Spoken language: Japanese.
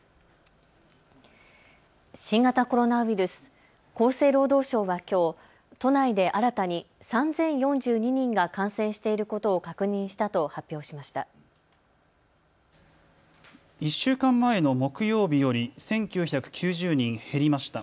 新型コロナウイルス、厚生労働省はきょう都内で新たに３０４２人が感染していることを確認したと発表しました。